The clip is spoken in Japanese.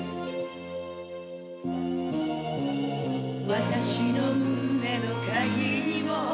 私の胸の鍵を